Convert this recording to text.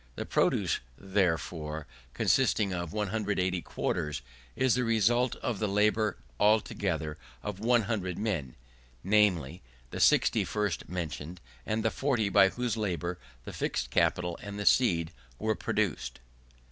The produce, therefore, consisting of 180 quarters is the result of the labour altogether of 100 men: namely, the 60 first mentioned, and the 40 by whose labour the fixed capital and the seed were produced.